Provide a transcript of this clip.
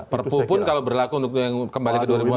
perpu pun kalau berlaku untuk yang kembali ke dua ribu empat belas